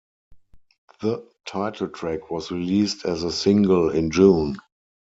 The title track was released as a single in June.